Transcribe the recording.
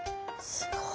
すごい！